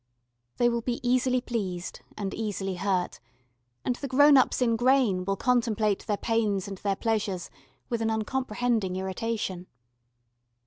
They will be easily pleased and easily hurt, and the grown ups in grain will contemplate their pains and their pleasures with an uncomprehending irritation.